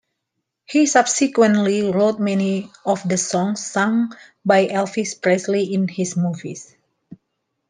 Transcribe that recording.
He subsequently wrote many of the songs sung by Elvis Presley in his movies.